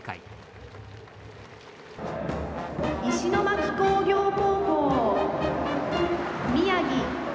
「石巻工業高校宮城」。